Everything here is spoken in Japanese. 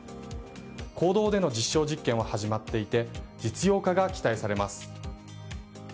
公道での実証実験は始まっていて実用化が期待されます。